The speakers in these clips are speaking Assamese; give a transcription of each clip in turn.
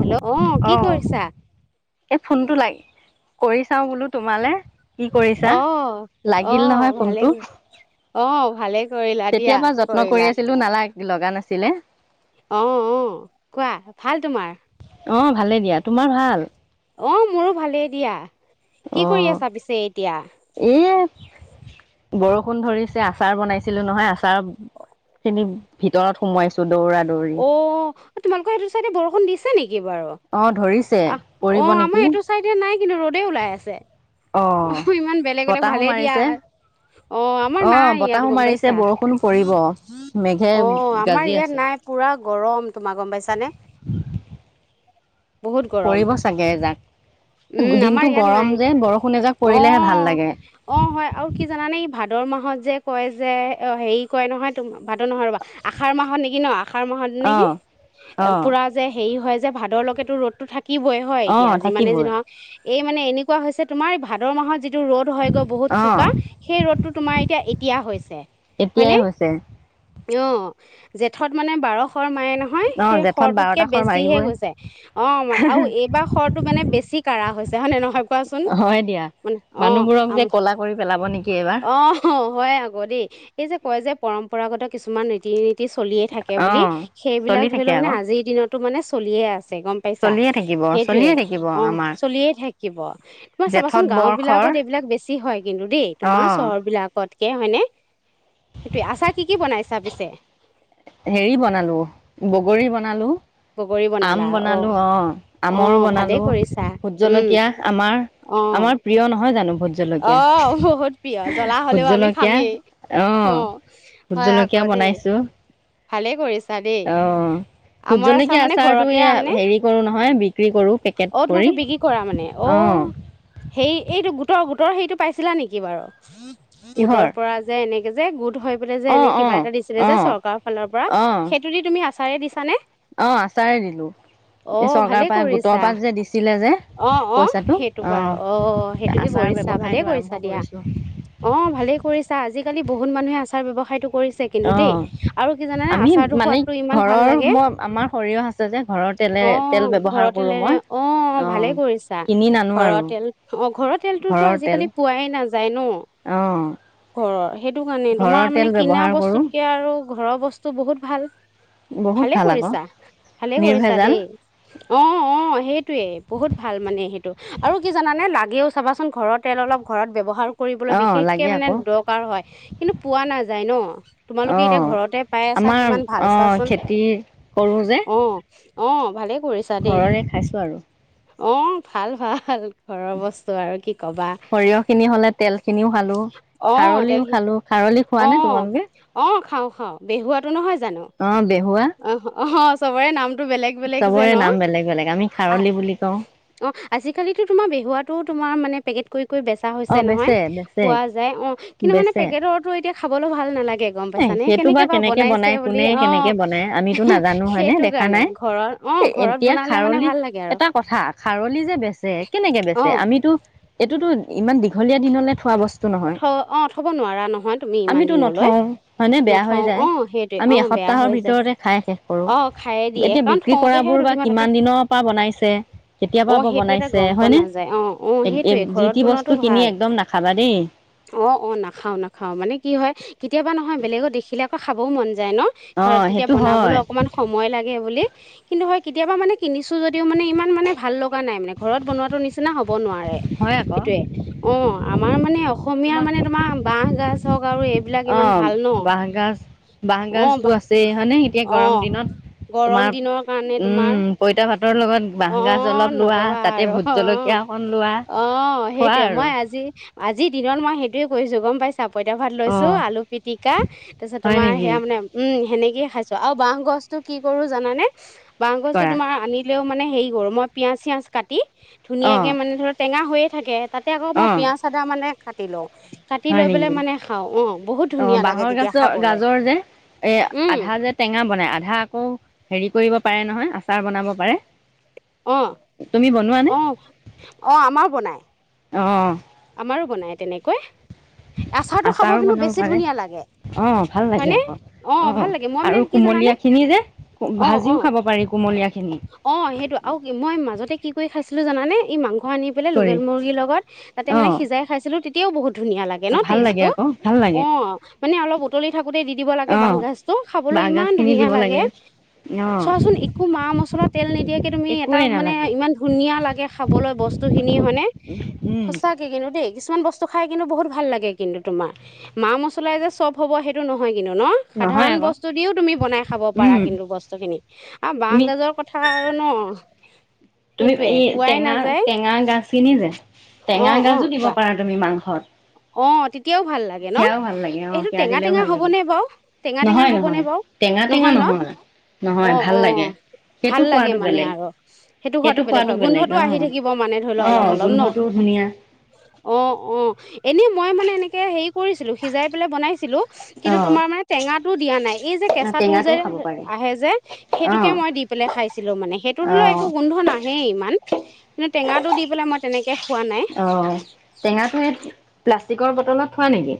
হেল্ল', অ' কি কৰিছা? এই ফোনটো লাগ-কৰি চাওঁ বোলো তোমালে। অ', অ' ভালেই কৰি, অ', ভালেই কৰিলা দিয়া কৰিলা। লগা নাছিলে। অ' অ', কোৱা, ভাল তোমাৰ? অ' ভালেই দিয়াত অ' মোৰো ভালেই দিয়া। কি কৰি আছা পিছে এ তিয়া। বৰষুণ ধৰিছে, আচাৰ বনাইছিলো নহয়, আচাৰৰ, খিনি ভিতৰত সোমোৱাই চো অ', তোমালোকৰ সেইটো চাইডে বৰষুণ দি ছেনি? দিব আৰু। আহ, অ' আমাৰ এইটো চাইডে নাই কিন্তু, ৰ'দেই ওলাই আছে। অ', বতাহো মাৰিছে, অ' বতাহো মাৰিছে, বৰষুণ পৰিব, মেঘে গাজি আছে। পুৰা গৰম তোমাৰ গম পাইছানে? বহুত গৰম। উম, আমাৰ ইয়াত নাই। অ' অ' হয়, আৰু কি জানানে এই ভাত ভাদৰ মাহত যে কয় যে, অ' হেৰি কয় নহয়, তোমা ভাদ নহয় ৰ'বা, আষাৰ মাহত নেকি ন আ আহাৰ মাহত নেকি, এ পুৰা যে হেৰি হয়য যে ভাদৰ লকেতো ৰ'দটো থাক কিবয় হয় এতিয়া, যিমানে যি নহওঁক এই মানে এনেকুৱা হৈছে তোমাৰ, এই ভাদৰ মাহত যে যিটো ৰ'দ হয় গৈ বহুত চোকা, সেই ৰ'দটো তোমাৰ এতিয়া-এতিয়া হৈছে, হয়নে? অ' জেঠত মানে বাৰশ শৰ মাৰে নহয, সেই শৰটোতকে বেছি হে গৈছে। অ' আৰু এইবাৰ শৰটো মানে বেছি কাঢ়া হৈছ [unintelligible] কোৱাচোন, মানে, অ' আম, অ' হয় আকৌ দেই, এই যে কয় যে পৰম্পৰাগত কিছুমান ৰীতি নীতি চলি কে বুলি, সেইবিলাক ধৰি লোৱা মানে আজিৰ দিনত তো মানে চলিয়ে আছ গম পাইছা সেইটোয়ে অ চলিয়ে থাকিব তোমাৰ চাবাচোন গাও বিলাকত এইবিলাক বেছি। কি হয়। কিন্তু দেই তোমাৰ চহৰ বিলাকত। তিকে হয়নে স আচা কি কি বনাইছা পিছে হেৰি বনালো বগৰী বনালো আম বনালো অহ আমৰো বনালো ভোট জলকীয়া আমাৰ আমাৰ প্ৰিয় নহয় জানো ভোট জলকীয়া ভোট জলকীয়া অহ ভোট জলকীয়া বনাইছো ভালে কৰিছে। অ ভোট জলকীয়া আচাৰতো হেৰি কৰো নহয় বি। অ তোমালোকে বিক্ৰী কৰা মানে অ সেই এইটো গোটৰ গো। তৰ সেইটো পাইছিলা নেকি বাৰু গোটৰ পৰা যে এনেকে। যে গোট হয়। যে এনে কিবা এটা দিছিলে যে চৰকাৰৰ ফালৰ পৰা সেইটো দি তুমি। ছাৰে দিছানে। অ আচাৰে দিলো এই চৰকাৰ। কৰিছা অ অ সেইটো বাৰু অ সেইটোকে কৰিছা ভালেই কৰিছা দিয়া অ ভালেই কৰিছা আজি। আজাল বহুত মানুহ আচাৰ ব্যৱসায়টো। অ আমি মানে ঘৰৰ ম আমাৰ সৰিয়হ আছে যে ঘৰৰ তেলে তেল ব্যৱহ। ঘৰৰ তেলেৰে অ ভালে কৰিছা ঘৰৰ তেল অ ঘৰৰ তেলটোতো আজিকালি পোৱাই নাযায় ন ঘৰৰ সেইটো কাৰণে তোমাৰ মানে কিনা বস্তুতকে আৰু ঘৰৰ বস্তু বহুত ভাল। ভালে কৰিছা ভালে কৰিছা দেই। অ অ সেইটোৱেই বহুত ভাল মানে সেইটো আৰু কি জানানে লাগেও চাবাচোন ঘৰৰ তেল অলপ ঘৰত ব্যৱহাৰ। কৰিবলৈ বিশেষকে মানে দৰকাৰ হয় কিন্তু পোৱা নাযায় ন তোমালোকে এতিয়া ঘৰতে পাই আছা কিমান ভাল চোৱাচোন অ। অ ভালে ঘৰৰে খাইছো আৰু। অঁ ভাল ভাল ঘৰৰ বস্তু আৰু কি কবা আহ তেল আহ আহ খাও খাও বেহুৱো নহয় জানো। অ অ। সবয় নাম। বেলেগ বেলেগ যে অ আজিকালি তোমাৰ বে পেকেট কৰি কৈ বেচা হৈছে নহয়, পোৱা যায় অ' কিন্তু মানে পেকেটৰটো এতিয়া খাবলৈ ভাল নালাগে গম পাইছানে কেনেকে বা বনাইছে বুলি অ'। বনাই আমিতো নাজানো হয়নে দেখা নাই এ এতিয়া খাৰলী-এটা কথা খাৰলি যে বেচে কেনেকে বেচে আমিতো এইটো টো ইমান দীঘলীয়া দিনলৈ থোৱা বস্তু নহয়। আমিতো নথও হয়নে? বেয়া হৈ যায় আমি এসপ্তাহৰ ভিতৰতে খাই শেষ কৰো। এতিয়া বিক্ৰী কৰা বোৰ বা কিমান দিনৰ পা বনাইছে কেতিয়াপা বা বনাইছে হয়নে? এক-এ যিটি বস্তু টো কিনি একদম নাখাবা দেই। অ', অ' নাখাও-নাখাও মানে কি হয় কেতিয়াবা নহয় বেলেগত দেখিলে আকৌ খাবও মন যায় ন ঘৰত তেতিয়া বনাবলৈ অকণমান সময় লাগে বুলি। কিন্তু হয় কেতিয়াবা মানে কিনিছো যদিও মানে ইমান মানে ভাল লগা নাই মানে ঘৰত বনোৱাটো নিচিনা হ হ'ব নোৱাৰে হেটোয়ে। অ' আমাৰ তোমাক অ' বাঁহগাজ-বাঁহগাজটো আছেই হয়নে, এতিয়া গৰম দিনত তোমাৰ উম পঁইতা ভাতৰ লগত বাঁহগাজ অলপ লোৱা তাতে ভোট জলকীয়া অকন লোৱা। অ' সেইটোৱে মই আজি আজি দিনত মই সেইটোৱে কৰিছো গম পাইছ ছা পঁইতা ভাত লৈছো আলু পিটিকা তাপিছত তোমাৰ হেয়া মানে উম হেনেকে খাইছো আৰু বাঁহ গছটো কি কৰো জানানে? বাঁহ গছটো তোমাৰ আনি তেও মানে হেই কৰো মই পিঁয়াজ চিয়াজ কাটি, ধুনীয়াকে মানে ধৰা টেঙা হৈয়ে থাকে। তাতে আকৌ মই পিঁয়াজ মানে কাটি লওঁ। হয় নেকি? অ' বাঁহৰ গাজৰ গাজৰ যে এ আধা যে টেঙা বনাই আধা আকৌ হেৰি কৰিব পাৰে নহয় আচাৰ বনাব পাৰে। অ', অ', অ', আমাও বনাই। অ'। আমাৰো বনাই তেনেকৈ। আচাৰটো খাব কিন্তু বেছি ধুনীয়া লাগে হয়নে? অ' ভাল লাগে, মই মানে কি জানানে অ', অ', অ' হেটো আৰু মই মাজতে কি কৰি খাইছো টো জানানে এই মাং ঘ আনি পেলাই লোকেল মুৰ্গীৰ লগত তাতে মানে সিজাই খাইছিলো তেতিয়াও বহুত ধুনীয়া লাগে ন টেষ্ট টো অ', মানে অলপ উতলি থাকোতেই দি দিব লাগে বাঁহগাজটো খাবলৈ ইমান ধুনীয়া লাগে, চোৱাচোন একো মা-মছলা তেল নিদিয়াকে তুমি এটা মানে ইমান ধুনীয়া লাগে খাবলৈ বস্তু খিনি মানে। সচাকে কিন্তু দেই। কিছুমান বস্তু খাই কিন্তু বহুত ভাল লাগে কিন্তু তোমাৰ, মা মছলাই যে চব হ'ব সেইটো নহয়। কিন্তু ন? সাধাৰণ বস্তু দিওঁ তুমি বনাই খাব পাৰা কিন্তু বস্তু খিনি আৰু বাঁহ গাজৰ কথা আৰু ন'। তুমি এই টেঙা, টেঙা গাজ কিনি যে টেঙাৰ গাজো দিব পাৰা তুমি মাংসত। অ', তি তেতিয়াও ভাল লাগে ন'? এইটো টেঙা টেঙা হ'বনে বাৰু? টেঙা টেঙা হ'বনে বাৰু? নহয় ন' অ', অ', ভাল লাগে মানে আৰু সেইটোৰ সোৱাদো বেলেগ হয়, গোন্ধটো আহি থাকিব মানে ধৰি লোৱা অলপ অলপ ন' অ', অ'। মই মানে এনেকে হেৰি কৰিছিলোঁ, সিজাই পেলাই বনাইছিলোঁ। কিন্তু তোমাৰ মানে টেঙা টো দিয়া নাই। এই যে কেঁচা টো যে আহে যে সেইটোকে মই দি পেলাই খাইছিলোঁ মানে সেইটোৰ ধৰি লোৱা একো গোন্ধ নাহেই ইমান, এ টেঙাটো দি পেলাই মই তেনেকে অ টেঙাটোৱে প্লাষ্টিকৰ বটলত থোৱা নেকি?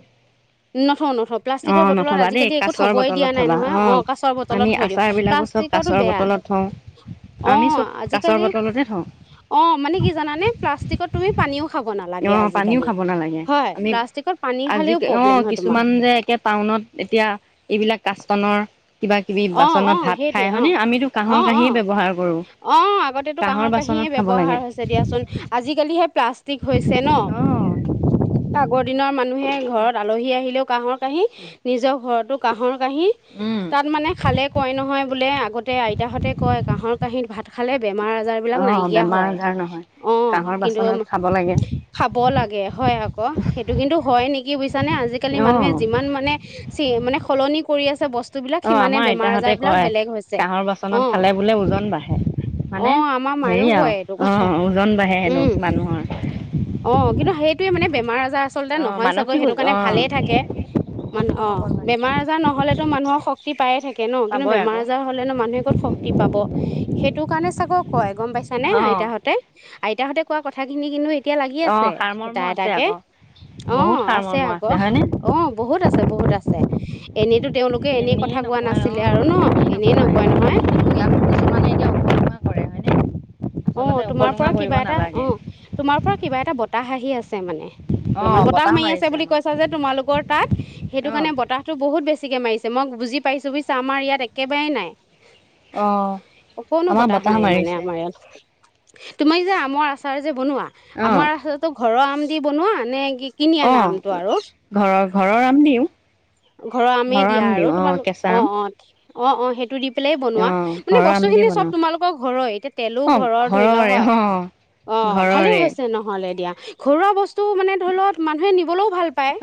নথওঁ ন হ প্লাষ্টিকৰ বটলত আজিকালি একো থবই দিয়া নাই নহয়। অ কাঁচৰ বটলত থৈ দিওঁ। প্লাষ্টিকৰ টো বেয়া। অ আজিকালি অ মানে কি জানানে? প্লাষ্টিকত তুমি পানীও খাব নালাগে আজিকালি। হয় প্লাষ্টিকত পানী খালেও অ কিছুমান যে একে টাউনত এতিয়া এইবিলাক কাস্তনৰ অ অ সেইটোয়ে অ অ অ অ আগতেটো কাঁহৰ কাঁহিয়ে ব্যৱহাৰ হৈছে দিয়াচোন আজিকালিহে প্লাষ্টিক থিক হৈছে ন আগৰ দিনৰ মানুহে ঘৰত আলহী আহি হিলেও কাঁহৰ কাঁহী, নিজৰ ঘৰতো কাঁহৰ কাঁহী মানে খালে কয় নহয় বোলে আগতে আইতাহঁতে কয় কাঁহৰ কাঁহীত ভাত খালে বেমাৰ আজাৰ বিলাক নাইকিয়া হয়। অ কিন্তু খাব লাগে হয় আকৌ সেইটো কিন্তু হয় নেকি বুজিছানে আজিকালি মানুহে যিমান মানে চি মানে সলনি কৰি আছে বচ অ আমাৰ আইতাহঁতে কয় কাঁহৰ বাচনত খালে বোলে ওজন বাঢ়ে মানে হেৰি আৰু অ ওজন বাঢ়ে হেনো মানুহৰ। টোৱে মানে বেমাৰ আজ আচলতে নহয় চাগৈ সেইটো কাৰণে ভালে থাকে মানুহ অ বেমাৰ আজাৰ নহলেতো মানুহক শক্তি পায়ে থাকে ঠাকে ন কিন্তু বেমাৰ আজাৰ হলে নো মানুহে ক'ত শক্তি পাব সেইটো কাৰণে চাগৰ কয় গম পাইছা নে আইতাহঁতে আইতাহঁতে কোৱা কথাখিনি কিন্তু এতিয়া লাগি আছে এটা এটাকে অ আছে আক অ বহুত আছে বহুত আছে এনেইতো তেওঁলোকে এনে কথা কোৱা নাছিলে আৰু ন এনেই নক হয় নহয় অ তোমাৰ পৰা কিবা এটা অ তোমাৰ পৰা কিবা এটা বতাহ আ কি আছে মানে অলপমান বতাহ মাৰি আছে বুলি কৈছা যে তোমালোকৰ তাত সেইটো কাৰণে বতাহতো বহুত বেছি বেছিকে মাৰিছে মই বুজি পাইছো বুজিছা আমাৰ ইয়াত একেবাৰে নাই অ আমাৰ বতাহ মাৰিছে তোমাক যে আমৰ আচাৰ যে বনোৱা আমাৰ ঘৰৰ আম দি বনোৱা নে কি কিনি আনা আমটো আৰু ঘৰৰ আমেই দিয়া আৰু তোমালোক অ অ অ অ সেইটো দি পেলাই বনোৱা মানে বস্তু খিনি চব তোমালোকৰ ঘৰৰ এতিয়া তেল ঘৰৰ ধৰি ল হয় অ ভালে হৈছে নহ'লে দিয়া ঘৰুৱা বস্তু মানে ধৰি লওক মানুহে নিবলৈও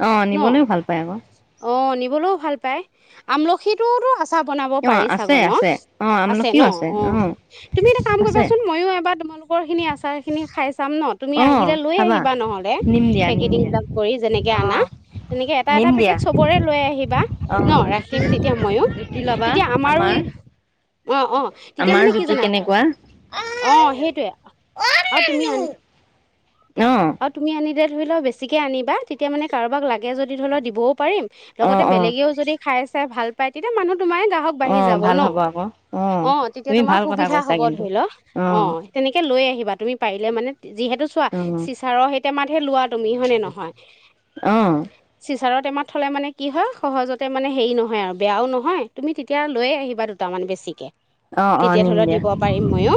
অ নিবলৈ ও ভাল পায় আক বোলো ভাল পাই আমলখিতো টো আ চা বনাব পাৰি চাগৈ ন আছে ন অ তুমি এটা কাম কৰিবা এবাৰ তোমালোকৰ খিনি আচাৰ খিনি খাই চাম ন তুমি আহিলে লৈ আহিবা নহলে পেকেটিং বিলাক কৰি যেনেকে আনা তেনেকে এটা এটা পেকেট চবৰে লৈ আহিবা ন ৰাখিম তেতিয়া ময়ো তেতিয়া আমাৰো অ অ তেতিয়া মানে কি জানা অ সেইটোৱে আৰু তুমি আনি আৰু তুমি আনি দে তুমি অলপ বেছিকে আনিবা তেতিয়া মানে কাৰোবাক লাগে যদি ধৰি লোৱা দিবও পাৰিম লগতে বেলেগেও যদি খাই চাই ভাল পায় তেতিয়া মানুহ অ', ভাল হ'ব আকৌ, অ', তুমি ভাল কথা কৈছা কিন্তু। ধুই লোৱা, অ', তেনেকে লৈ আহিবা তুমি পাৰিলে। মানে, যিহেতু চোৱা, চিচাৰৰ সেই টেমাতহে লোৱা তুমি, হয় নে নহয়? চিচাৰ আচাৰৰ টেমাত থ'লে মানে কি হয়, সহজতে মানে হেৰি নহয় আৰু বেয়াও নহয়, তুমি তেতিয়া লৈয়ে আহিবা, দুটামান বেছিকে। অ', অ', নিম দিয়া। পাৰিম মইও,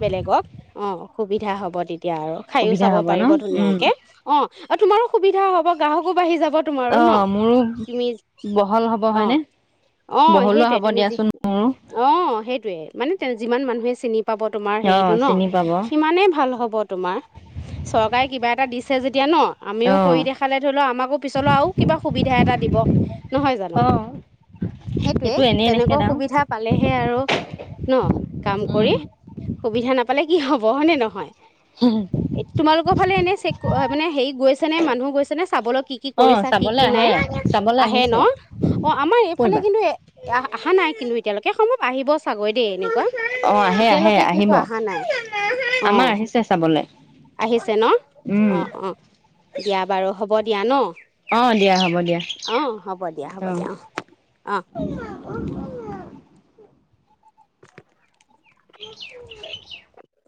বেলেগক অ'। অসুবিধা হ'ব তেত। এতিয়া আৰু খায়ো চাব পাৰিব ধুনীয়াকে অ'। আৰু তোমাৰো সুবিধা হ'ব, গ্ৰাহকো বাঢ়ি যাব। তোমাৰো ন'তুমি, অ', অ', সেইটোৱে, তুমি যি অ' সেই সেইটোৱেই, মানে তেল। যিমান মানুহে চিনি পাব। তোমাৰ হেৰিটো ন', সিমানে ভাল হ'ব তোমাৰ। চৰকাৰে কিবা এটা দিছ [inaudible] এতিয়া ন', আমিও কৰি দেখালে। ধৰি লোৱা, আমাকো পিছলৈ আৰু কিবা সুবিধা এটা দিব, নহয় জানো? সেইটোৱেই। তেনেকুৱা সুবিধা পালেহে আৰু ন', কাম কৰি সুবিধা নাপালে কি হ'ব? হয় নে নহয়? তোমালোকৰ ফালে এনে চেক, মানে, হেৰি গৈছে নে? মানুহ গৈছে নে? চাবলৈ, কি কি কৰিছা, কি কি নাই। আহে ন'? অ, আমাৰ এইফালে কিন্তু এ আহা নাই। কিন্তু এতিয়ালৈকে সম্ভব আহিব চাগৈ দেই, এনেকুৱা। এতিয়ালৈকে কিন্তু আহা নাই। অ', আহিছে ন'? অ', অ', দিয়া বাৰু হ'ব দিয়া ন? অ', দিয়া হ'ব দিয়া। অ'। [inaudible] [inaudible]